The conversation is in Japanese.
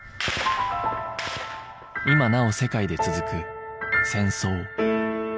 今なお世界で続く戦争